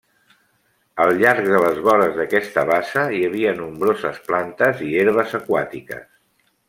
Al llarg de les vores d'aquesta bassa hi havia nombroses plantes i herbes aquàtiques.